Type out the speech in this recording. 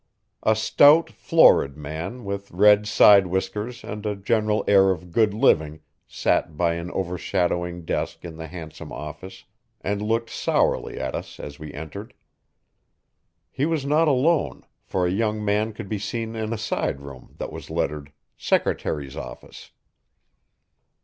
A stout, florid man, with red side whiskers and a general air of good living, sat by an over shadowing desk in the handsome office, and looked sourly at us as we entered. He was not alone, for a young man could be seen in a side room that was lettered "Secretary's Office."